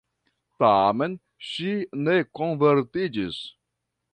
Tamen ŝi ne konvertiĝis.